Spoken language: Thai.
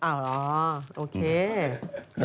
อ่าโอเค